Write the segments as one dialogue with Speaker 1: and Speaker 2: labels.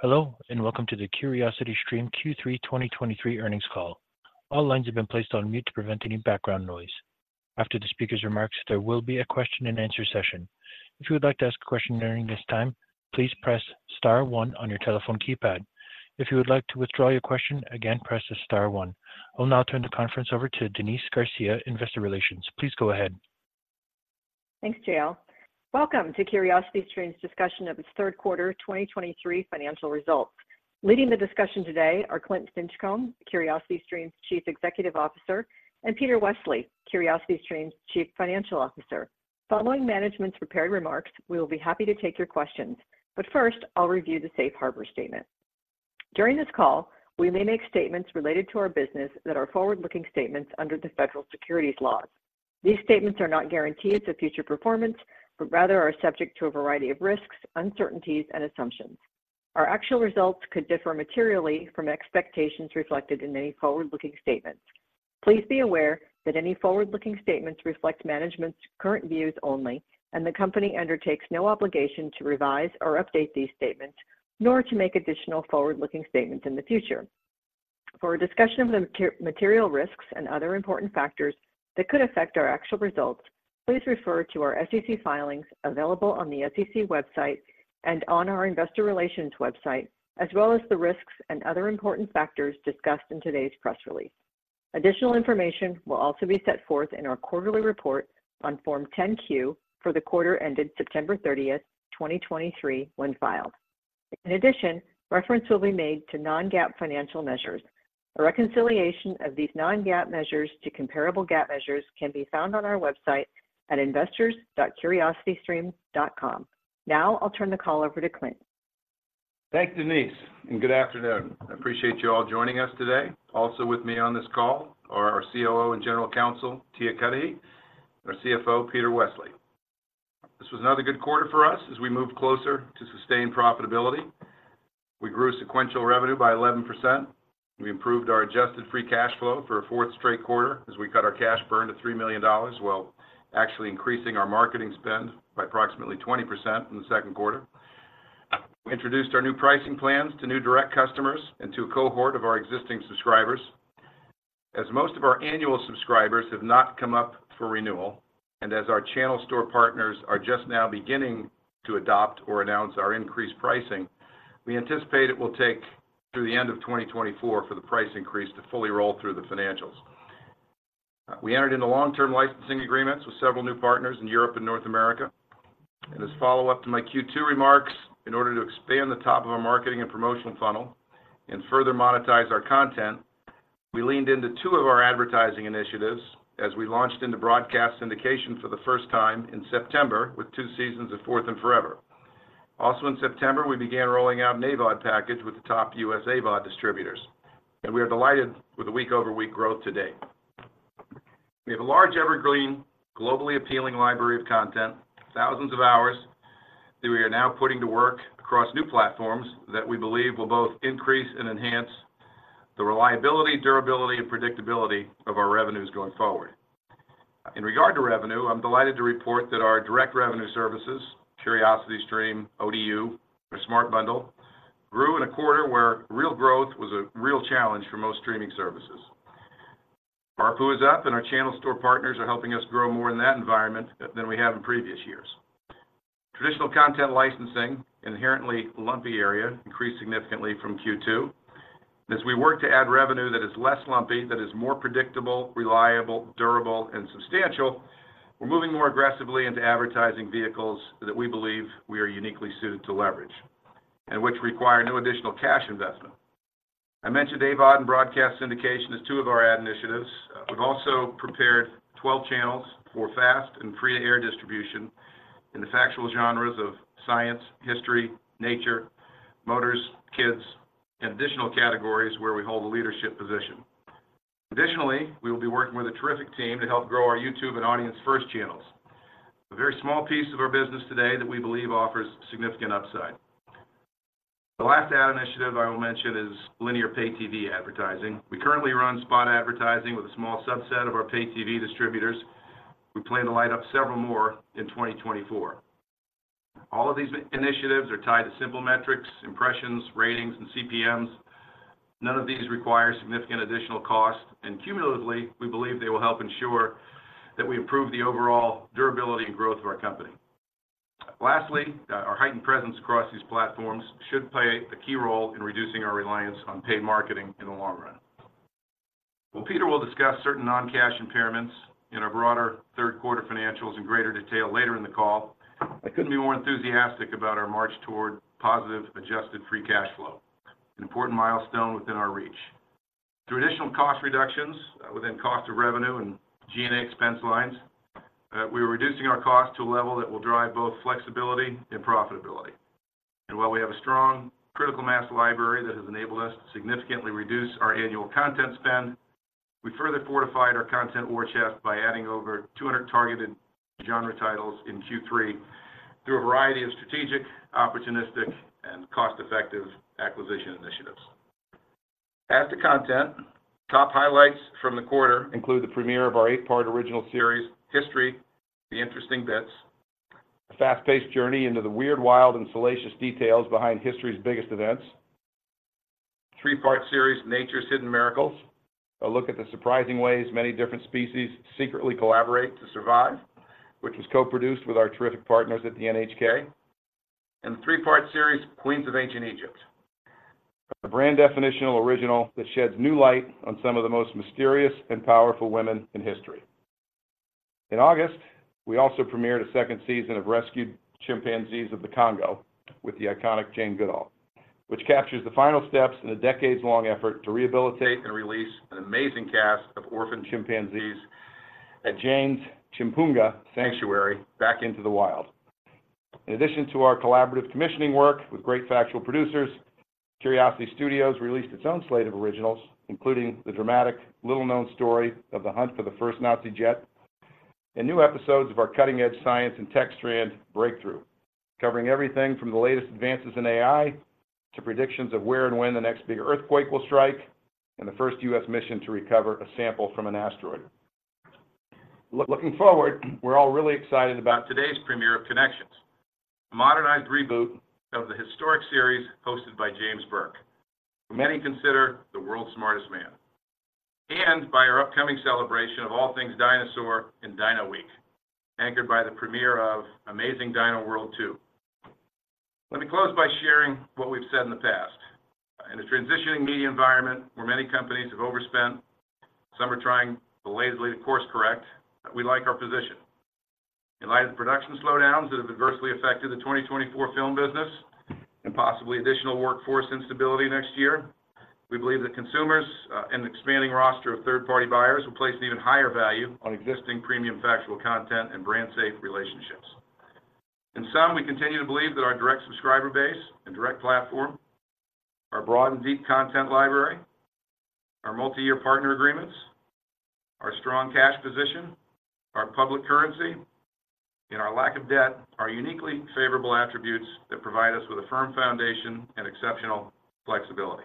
Speaker 1: Hello, and welcome to the CuriosityStream Q3 2023 earnings call. All lines have been placed on mute to prevent any background noise. After the speaker's remarks, there will be a question and answer session. If you would like to ask a question during this time, please press star one on your telephone keypad. If you would like to withdraw your question, again, press star one. I will now turn the conference over to Denise Garcia, Investor Relations. Please go ahead.
Speaker 2: Thanks, JL. Welcome to CuriosityStream's discussion of its third quarter 2023 financial results. Leading the discussion today are Clint Stinchcomb, CuriosityStream's Chief Executive Officer, and Peter Westley, CuriosityStream's Chief Financial Officer. Following management's prepared remarks, we will be happy to take your questions. But first, I'll review the safe harbor statement. During this call, we may make statements related to our business that are forward-looking statements under the Federal Securities laws. These statements are not guarantees of future performance, but rather are subject to a variety of risks, uncertainties and assumptions. Our actual results could differ materially from expectations reflected in any forward-looking statements. Please be aware that any forward-looking statements reflect management's current views only, and the company undertakes no obligation to revise or update these statements, nor to make additional forward-looking statements in the future. For a discussion of the material risks and other important factors that could affect our actual results, please refer to our SEC filings available on the SEC website and on our investor relations website, as well as the risks and other important factors discussed in today's press release. Additional information will also be set forth in our quarterly report on Form 10-Q for the quarter ended September 30, 2023, when filed. In addition, reference will be made to non-GAAP financial measures. A reconciliation of these non-GAAP measures to comparable GAAP measures can be found on our website at investors.curiositystream.com. Now, I'll turn the call over to Clint.
Speaker 3: Thanks, Denise, and good afternoon. I appreciate you all joining us today. Also with me on this call are our COO and General Counsel, Tia Cudahy, and our CFO, Peter Westley. This was another good quarter for us as we move closer to sustained profitability. We grew sequential revenue by 11%. We improved our Adjusted Free Cash Flow for a fourth straight quarter as we cut our cash burn to $3 million, while actually increasing our marketing spend by approximately 20% in the second quarter. We introduced our new pricing plans to new direct customers and to a cohort of our existing subscribers. As most of our annual subscribers have not come up for renewal, and as our channel store partners are just now beginning to adopt or announce our increased pricing, we anticipate it will take through the end of 2024 for the price increase to fully roll through the financials. We entered into long-term licensing agreements with several new partners in Europe and North America, and as follow-up to my Q2 remarks, in order to expand the top of our marketing and promotional funnel and further monetize our content, we leaned into two of our advertising initiatives as we launched into broadcast syndication for the first time in September with two seasons of 4th and Forever. Also in September, we began rolling out an AVOD package with the top U.S. AVOD distributors, and we are delighted with the week-over-week growth to date. We have a large, evergreen, globally appealing library of content, thousands of hours that we are now putting to work across new platforms that we believe will both increase and enhance the reliability, durability, and predictability of our revenues going forward. In regard to revenue, I'm delighted to report that our direct revenue services, CuriosityStream, ODU, our Smart Bundle, grew in a quarter where real growth was a real challenge for most streaming services. Our ARPU is up, and our channel store partners are helping us grow more in that environment than we have in previous years. Traditional content licensing, inherently lumpy area, increased significantly from Q2. As we work to add revenue that is less lumpy, that is more predictable, reliable, durable, and substantial, we're moving more aggressively into advertising vehicles that we believe we are uniquely suited to leverage, and which require no additional cash investment. I mentioned AVOD and broadcast syndication as two of our ad initiatives. We've also prepared 12 channels for FAST and free air distribution in the factual genres of science, history, nature, motors, kids, and additional categories where we hold a leadership position. Additionally, we will be working with a terrific team to help grow our YouTube and audience-first channels. A very small piece of our business today that we believe offers significant upside. The last ad initiative I will mention is linear pay TV advertising. We currently run spot advertising with a small subset of our pay TV distributors. We plan to light up several more in 2024. All of these initiatives are tied to simple metrics, impressions, ratings, and CPMs. None of these require significant additional cost, and cumulatively, we believe they will help ensure that we improve the overall durability and growth of our company. Lastly, our heightened presence across these platforms should play a key role in reducing our reliance on paid marketing in the long run. Well, Peter will discuss certain non-cash impairments in our broader third quarter financials in greater detail later in the call. I couldn't be more enthusiastic about our march toward positive Adjusted Free Cash Flow, an important milestone within our reach. Through additional cost reductions within cost of revenue and G&A expense lines, we are reducing our cost to a level that will drive both flexibility and profitability. And while we have a strong critical mass library that has enabled us to significantly reduce our annual content spend, we further fortified our content war chest by adding over 200 targeted genre titles in Q3 through a variety of strategic, opportunistic, and cost-effective acquisition initiatives.... As to content, top highlights from the quarter include the premiere of our eight-part original series, History: The Interesting Bits, a fast-paced journey into the weird, wild, and salacious details behind history's biggest events. Three-part series, Nature's Hidden Miracles, a look at the surprising ways many different species secretly collaborate to survive, which was co-produced with our terrific partners at the NHK. The three-part series, Queens of Ancient Egypt, a brand definitional original that sheds new light on some of the most mysterious and powerful women in history. In August, we also premiered a second season of Rescued Chimpanzees of the Congo with the iconic Jane Goodall, which captures the final steps in a decades-long effort to rehabilitate and release an amazing cast of orphaned chimpanzees at Jane's Chimpuja Sanctuary back into the wild. In addition to our collaborative commissioning work with great factual producers, Curiosity Studios released its own slate of originals, including the dramatic, little-known story of the hunt for the first Nazi jet, and new episodes of our cutting-edge science and tech strand, Breakthrough, covering everything from the latest advances in AI to predictions of where and when the next big earthquake will strike, and the first U.S. mission to recover a sample from an asteroid. Looking forward, we're all really excited about today's premiere of Connections, a modernized reboot of the historic series hosted by James Burke, who many consider the world's smartest man. And by our upcoming celebration of all things dinosaur in Dino Week, anchored by the premiere of Amazing Dino World 2. Let me close by sharing what we've said in the past. In a transitioning media environment where many companies have overspent, some are trying belatedly to course correct, we like our position. In light of production slowdowns that have adversely affected the 2024 film business and possibly additional workforce instability next year, we believe that consumers and an expanding roster of third-party buyers will place an even higher value on existing premium factual content and brand-safe relationships. In sum, we continue to believe that our direct subscriber base and direct platform, our broad and deep content library, our multi-year partner agreements, our strong cash position, our public currency, and our lack of debt are uniquely favorable attributes that provide us with a firm foundation and exceptional flexibility.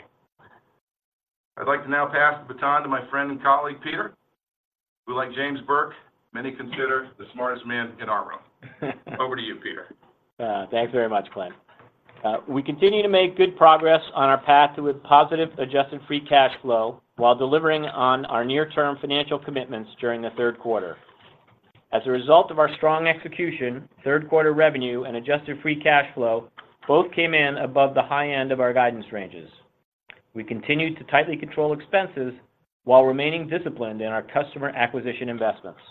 Speaker 3: I'd like to now pass the baton to my friend and colleague, Peter, who, like James Burke, many consider the smartest man in our room. Over to you, Peter.
Speaker 4: Thanks very much, Clint. We continue to make good progress on our path to a positive Adjusted Free Cash Flow while delivering on our near-term financial commitments during the third quarter. As a result of our strong execution, third quarter revenue and Adjusted Free Cash Flow both came in above the high end of our guidance ranges. We continued to tightly control expenses while remaining disciplined in our customer acquisition investments.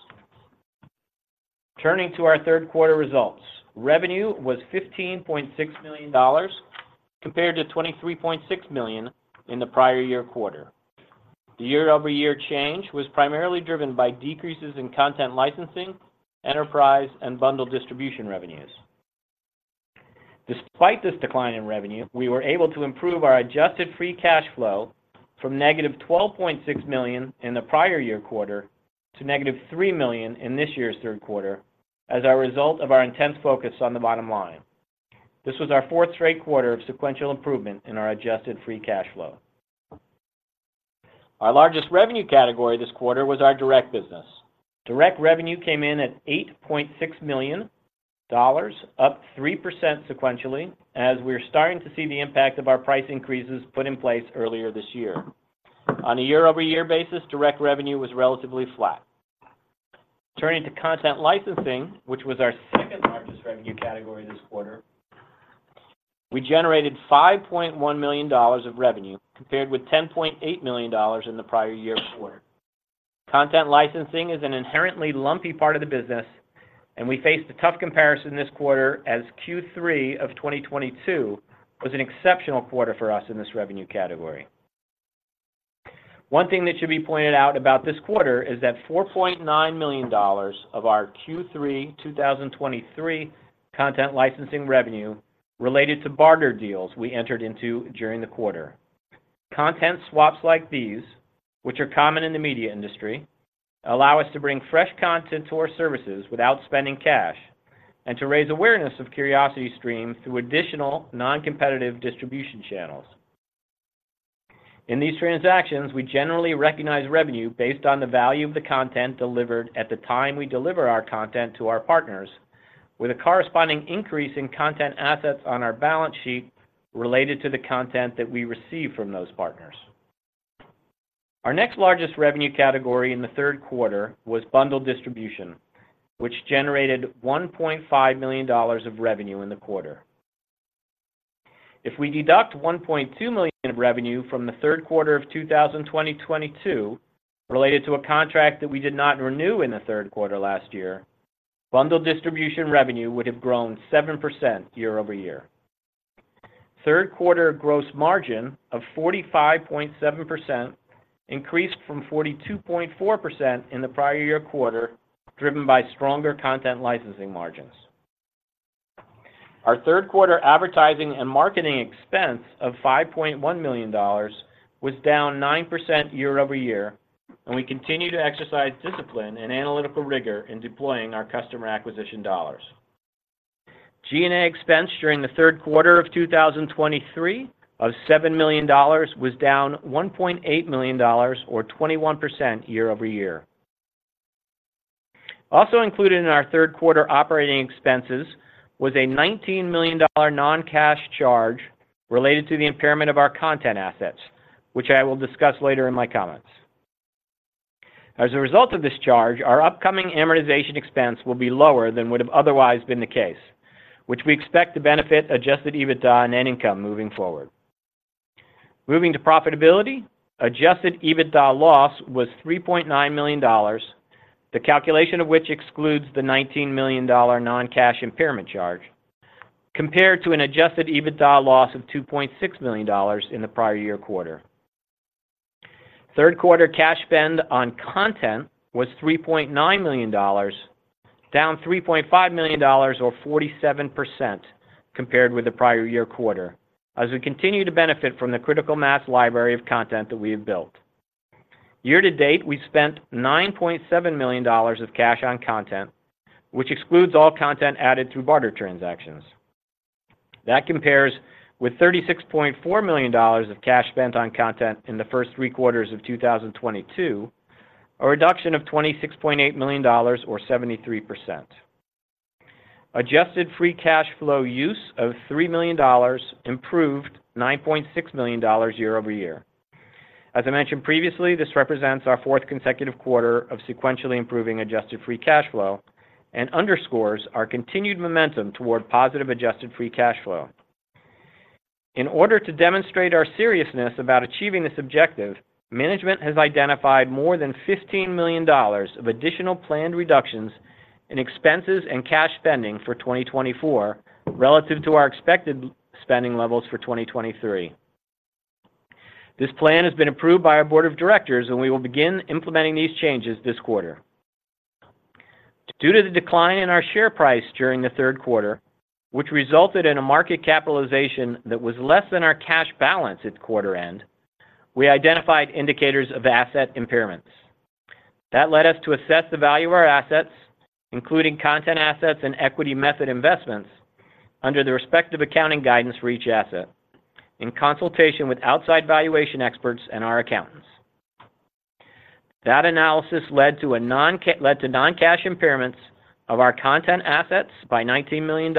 Speaker 4: Turning to our third quarter results, revenue was $15.6 million, compared to $23.6 million in the prior year quarter. The year-over-year change was primarily driven by decreases in content licensing, enterprise, and bundle distribution revenues. Despite this decline in revenue, we were able to improve our Adjusted Free Cash Flow from -$12.6 million in the prior year quarter to -$3 million in this year's third quarter as a result of our intense focus on the bottom line. This was our fourth straight quarter of sequential improvement in our Adjusted Free Cash Flow. Our largest revenue category this quarter was our direct business. Direct revenue came in at $8.6 million, up 3% sequentially, as we're starting to see the impact of our price increases put in place earlier this year. On a year-over-year basis, direct revenue was relatively flat. Turning to content licensing, which was our second-largest revenue category this quarter, we generated $5.1 million of revenue, compared with $10.8 million in the prior year quarter. Content licensing is an inherently lumpy part of the business, and we faced a tough comparison this quarter, as Q3 of 2022 was an exceptional quarter for us in this revenue category. One thing that should be pointed out about this quarter is that $4.9 million of our Q3 2023 content licensing revenue related to barter deals we entered into during the quarter. Content swaps like these, which are common in the media industry, allow us to bring fresh content to our services without spending cash and to raise awareness of CuriosityStream through additional non-competitive distribution channels. In these transactions, we generally recognize revenue based on the value of the content delivered at the time we deliver our content to our partners, with a corresponding increase in content assets on our balance sheet related to the content that we receive from those partners. Our next largest revenue category in the third quarter was bundle distribution, which generated $1.5 million of revenue in the quarter. If we deduct $1.2 million in revenue from the third quarter of 2022, related to a contract that we did not renew in the third quarter last year, bundle distribution revenue would have grown 7% year-over-year. Third quarter gross margin of 45.7% increased from 42.4% in the prior year quarter, driven by stronger content licensing margins. Our third quarter advertising and marketing expense of $5.1 million was down 9% year-over-year, and we continue to exercise discipline and analytical rigor in deploying our customer acquisition dollars. G&A expense during the third quarter of 2023 of $7 million was down $1.8 million or 21% year-over-year. Also included in our third quarter operating expenses was a $19 million non-cash charge related to the impairment of our content assets, which I will discuss later in my comments. As a result of this charge, our upcoming amortization expense will be lower than would have otherwise been the case, which we expect to benefit adjusted EBITDA and net income moving forward. Moving to profitability, adjusted EBITDA loss was $3.9 million, the calculation of which excludes the $19 million non-cash impairment charge, compared to an adjusted EBITDA loss of $2.6 million in the prior year quarter. Third quarter cash spend on content was $3.9 million, down $3.5 million, or 47% compared with the prior year quarter, as we continue to benefit from the critical mass library of content that we have built. Year to date, we spent $9.7 million of cash on content, which excludes all content added through barter transactions. That compares with $36.4 million of cash spent on content in the first three quarters of 2022, a reduction of $26.8 million or 73%. Adjusted Free Cash Flow use of $3 million improved $9.6 million year-over-year. As I mentioned previously, this represents our fourth consecutive quarter of sequentially improving Adjusted Free Cash Flow and underscores our continued momentum toward positive Adjusted Free Cash Flow. In order to demonstrate our seriousness about achieving this objective, management has identified more than $15 million of additional planned reductions in expenses and cash spending for 2024 relative to our expected spending levels for 2023. This plan has been approved by our board of directors, and we will begin implementing these changes this quarter. Due to the decline in our share price during the third quarter, which resulted in a market capitalization that was less than our cash balance at quarter end, we identified indicators of asset impairments. That led us to assess the value of our assets, including content assets, and equity method investments, under the respective accounting guidance for each asset, in consultation with outside valuation experts and our accountants. That analysis led to non-cash impairments of our content assets by $19 million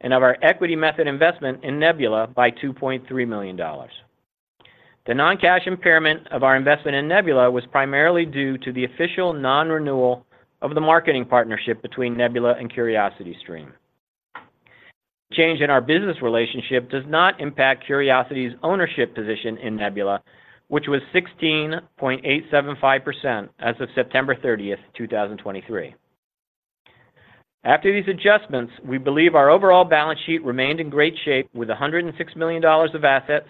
Speaker 4: and of our equity method investment in Nebula by $2.3 million. The non-cash impairment of our investment in Nebula was primarily due to the official non-renewal of the marketing partnership between Nebula and CuriosityStream. Change in our business relationship does not impact Curiosity's ownership position in Nebula, which was 16.875% as of September 30, 2023. After these adjustments, we believe our overall balance sheet remained in great shape, with $106 million of assets,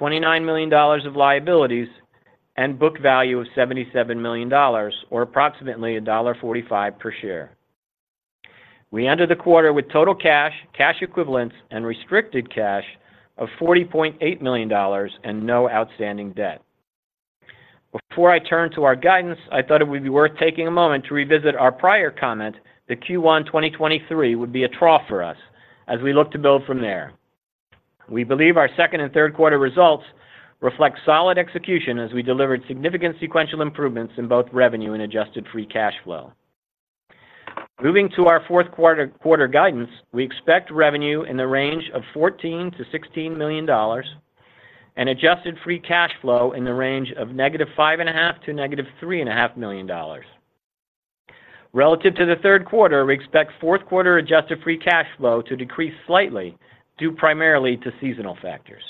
Speaker 4: $29 million of liabilities, and book value of $77 million, or approximately $1.45 per share. We ended the quarter with total cash, cash equivalents, and restricted cash of $40.8 million and no outstanding debt.
Speaker 2: Before I turn to our guidance, I thought it would be worth taking a moment to revisit our prior comment that Q1 2023 would be a trough for us as we look to build from there. We believe our second and third quarter results reflect solid execution as we delivered significant sequential improvements in both revenue and Adjusted Free Cash Flow. Moving to our fourth quarter guidance, we expect revenue in the range of $14 million-$16 million and Adjusted Free Cash Flow in the range of -$5.5 million to -$3.5 million. Relative to the third quarter, we expect fourth quarter Adjusted Free Cash Flow to decrease slightly, due primarily to seasonal factors.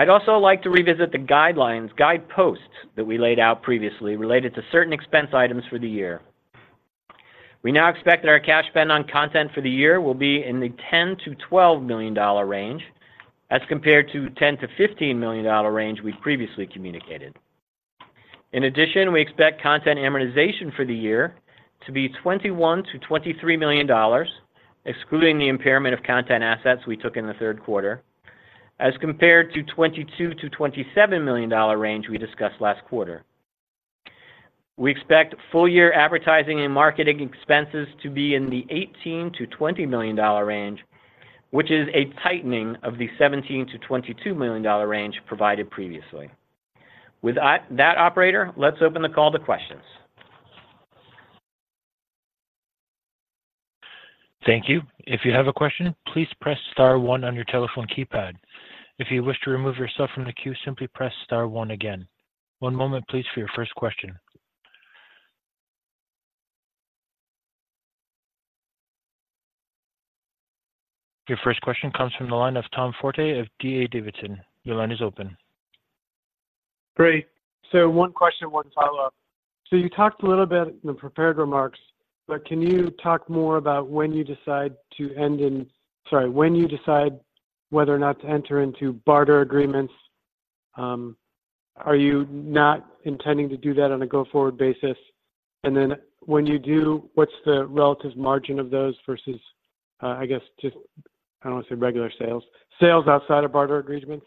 Speaker 2: I'd also like to revisit the guidelines, guideposts, that we laid out previously related to certain expense items for the year.
Speaker 4: We now expect that our cash spend on content for the year will be in the $10 million-$12 million range, as compared to $10 million-$15 million range we previously communicated. In addition, we expect content amortization for the year to be $21 million-$23 million, excluding the impairment of content assets we took in the third quarter, as compared to $22 million-$27 million range we discussed last quarter. We expect full year advertising and marketing expenses to be in the $18 million-$20 million range, which is a tightening of the $17 million-$22 million range provided previously. With that, Operator, let's open the call to questions.
Speaker 1: Thank you. If you have a question, please press star one on your telephone keypad. If you wish to remove yourself from the queue, simply press star one again. One moment, please, for your first question. Your first question comes from the line of Tom Forte of D.A. Davidson. Your line is open.
Speaker 5: Great. So one question, one follow-up. So you talked a little bit in the prepared remarks, but can you talk more about when you decide whether or not to enter into barter agreements, are you not intending to do that on a go-forward basis? And then when you do, what's the relative margin of those versus, I guess just, I don't want to say regular sales, sales outside of barter agreements?...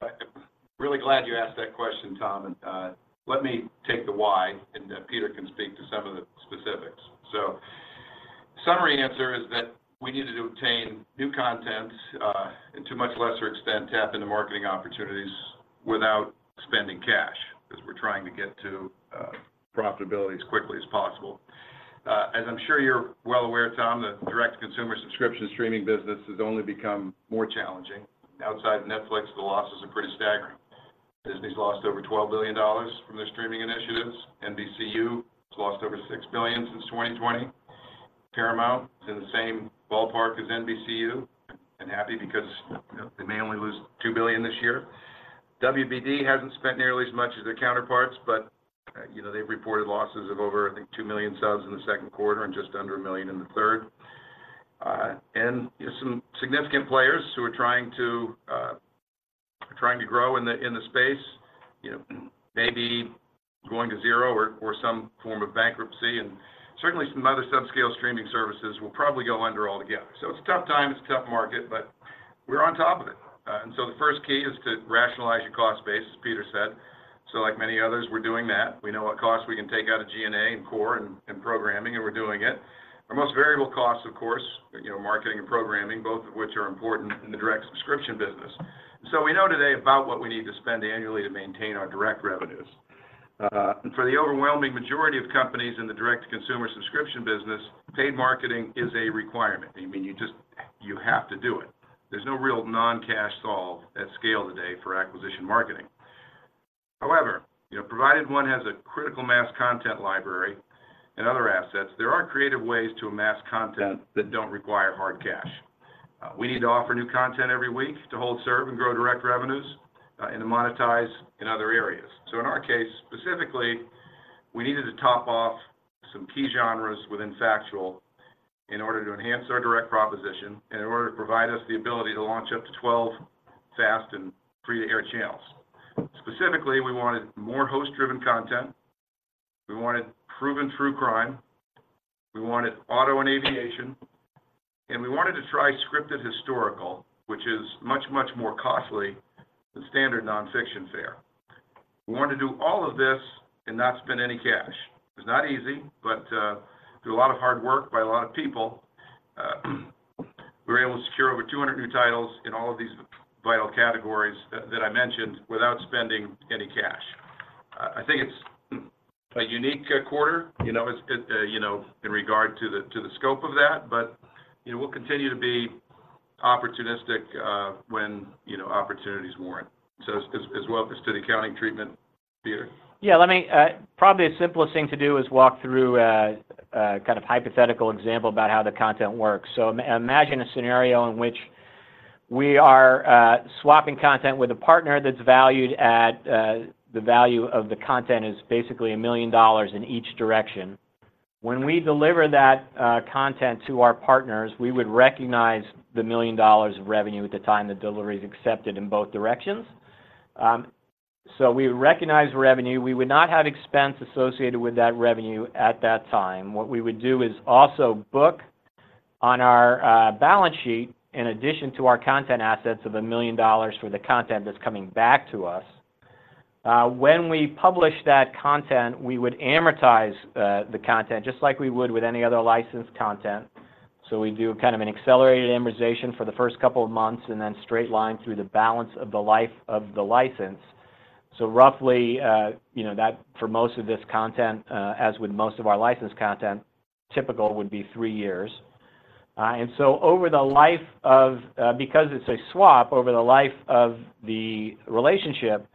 Speaker 3: I'm really glad you asked that question, Tom, and let me take the why, and then Peter can speak to some of the specifics. So summary answer is that we needed to obtain new content, and to a much lesser extent, tap into marketing opportunities without spending cash, because we're trying to get to profitability as quickly as possible. As I'm sure you're well aware, Tom, the direct consumer subscription streaming business has only become more challenging. Outside of Netflix, the losses are pretty staggering. Disney's lost over $12 billion from their streaming initiatives. NBCU has lost over $6 billion since 2020. Paramount is in the same ballpark as NBCU, and happy because, you know, they may only lose $2 billion this year. WBD hasn't spent nearly as much as their counterparts, but, you know, they've reported losses of over, I think, 2 million subs in the second quarter and just under 1 million in the third. And some significant players who are trying to grow in the space, you know, may be going to zero or some form of bankruptcy, and certainly some other subscale streaming services will probably go under altogether. So it's a tough time, it's a tough market, but we're on top of it. And so the first key is to rationalize your cost base, as Peter said. So like many others, we're doing that. We know what costs we can take out of G&A and core and programming, and we're doing it. Our most variable costs, of course, you know, marketing and programming, both of which are important in the direct subscription business. So we know today about what we need to spend annually to maintain our direct revenues. And for the overwhelming majority of companies in the direct-to-consumer subscription business, paid marketing is a requirement. I mean, you just- you have to do it. There's no real non-cash solve at scale today for acquisition marketing. However, you know, provided one has a critical mass content library and other assets, there are creative ways to amass content that don't require hard cash. We need to offer new content every week to hold, serve, and grow direct revenues, and to monetize in other areas. So in our case, specifically, we needed to top off some key genres within factual in order to enhance our direct proposition and in order to provide us the ability to launch up to 12 FAST and free-to-air channels. Specifically, we wanted more host-driven content, we wanted proven true crime, we wanted auto and aviation, and we wanted to try scripted historical, which is much, much more costly than standard nonfiction fare. We wanted to do all of this and not spend any cash. It's not easy, but through a lot of hard work by a lot of people, we were able to secure over 200 new titles in all of these vital categories that I mentioned without spending any cash. I think it's a unique quarter, you know, it's, you know, in regard to the scope of that, but, you know, we'll continue to be opportunistic when, you know, opportunities warrant. So as well as to the accounting treatment, Peter?
Speaker 4: Yeah, let me probably the simplest thing to do is walk through a kind of hypothetical example about how the content works. So imagine a scenario in which we are swapping content with a partner that's valued at the value of the content is basically $1 million in each direction. When we deliver that content to our partners, we would recognize the $1 million of revenue at the time the delivery is accepted in both directions. So we recognize revenue. We would not have expense associated with that revenue at that time. What we would do is also book on our balance sheet, in addition to our content assets of $1 million for the content that's coming back to us. When we publish that content, we would amortize the content just like we would with any other licensed content. So we do kind of an accelerated amortization for the first couple of months, and then straight line through the balance of the life of the license. So roughly, you know, that for most of this content, as with most of our licensed content, typical would be three years. And so over the life of, because it's a swap, over the life of the relationship,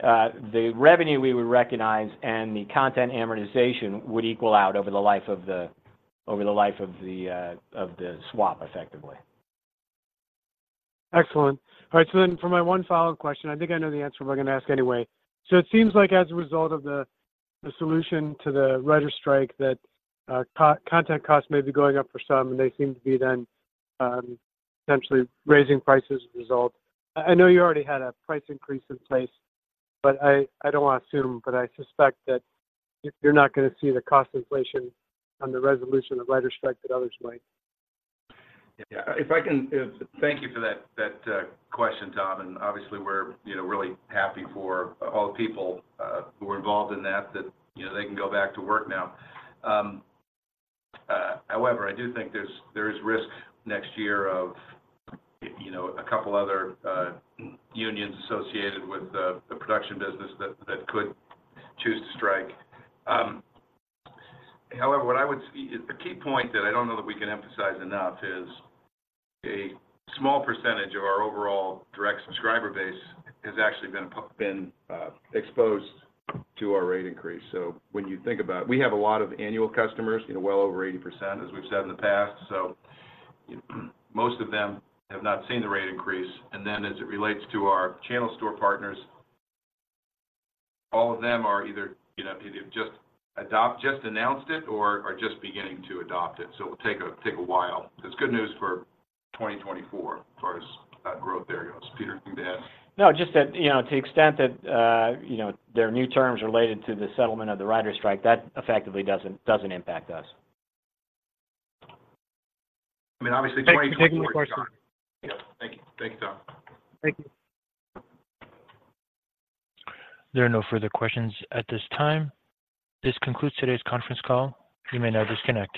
Speaker 4: the revenue we would recognize and the content amortization would equal out over the life of the, over the life of the, of the swap, effectively.
Speaker 5: Excellent. All right, so then for my one follow-up question, I think I know the answer, but I'm going to ask anyway. So it seems like as a result of the solution to the writers strike, that content costs may be going up for some, and they seem to be then potentially raising prices as a result. I know you already had a price increase in place, but I don't want to assume, but I suspect that you're not going to see the cost inflation on the resolution of writers strike that others might.
Speaker 3: Yeah. If I can. Thank you for that question, Tom. And obviously, we're, you know, really happy for all the people who are involved in that, you know, they can go back to work now. However, I do think there is risk next year of, you know, a couple other unions associated with the production business that could choose to strike. However, what I would see is the key point that I don't know that we can emphasize enough is a small percentage of our overall direct subscriber base has actually been exposed to our rate increase. So when you think about it, we have a lot of annual customers, you know, well over 80%, as we've said in the past. So, most of them have not seen the rate increase. And then as it relates to our channel store partners, all of them are either, you know, either just announced it or are just beginning to adopt it. So it will take a while. It's good news for 2024, as far as growth there goes. Peter, anything to add?
Speaker 4: No, just that, you know, to the extent that, you know, there are new terms related to the settlement of the writers strike, that effectively doesn't impact us.
Speaker 3: I mean, obviously-
Speaker 5: Thank you.
Speaker 3: Yeah. Thank you. Thank you, Tom.
Speaker 5: Thank you.
Speaker 1: There are no further questions at this time. This concludes today's conference call. You may now disconnect.